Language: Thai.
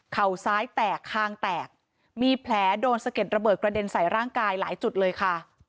ซ้ายแตกคางแตกมีแผลโดนสะเก็ดระเบิดกระเด็นใส่ร่างกายหลายจุดเลยค่ะ